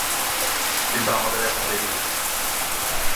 কিন্তু আমাদের এখন দেরি হচ্ছে।